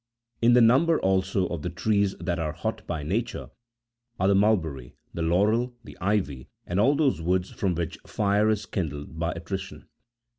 27 In the number, also, of the trees that are hot by nature, are the mulberry, the laurel, the ivy, and all those woods from which fire is kindled by attrition.